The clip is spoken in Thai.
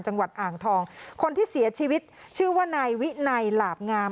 จังหวัดอ่างทองคนที่เสียชีวิตชื่อว่านายวินัยหลาบงาม